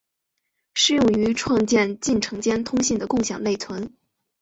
适用于创建进程间通信的共享内存。